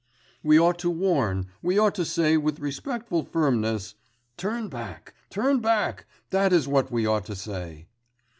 We ought to warn, we ought to say with respectful firmness, 'turn back, turn back.... That is what we ought to say.